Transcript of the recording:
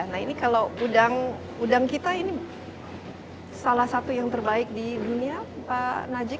nah ini kalau udang kita ini salah satu yang terbaik di dunia pak najib